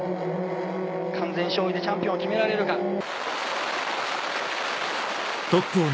完全勝利でチャンピオンを決められるか。